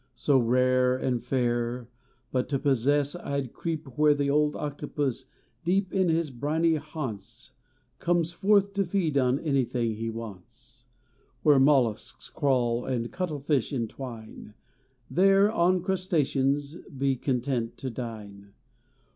So rare and fair, but to possess I d creep Where the old octopus deep in his briny haunts Comes forth to feed on anything he wants ; Where mollusks crawl and cuttle fish entwine, There on crustaceans be content to dine.